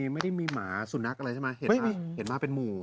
ไม่ได้มีหมาสุนัขอะไรใช่ไหมเห็นมาเป็นหมู่